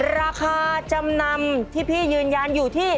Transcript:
ราคาจำนำที่พี่ยืนยันอยู่ที่